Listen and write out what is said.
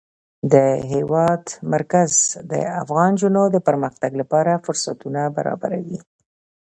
د هېواد مرکز د افغان نجونو د پرمختګ لپاره فرصتونه برابروي.